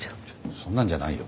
そんなんじゃないよ。